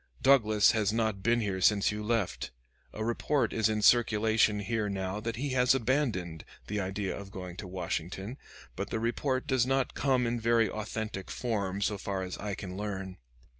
Douglas has not been here since you left. A report is in circulation here now that he has abandoned, the idea of going to Washington; but the report does not come in very authentic form so far as I can learn.